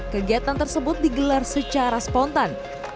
kegiatan tersebut digelar secara spontan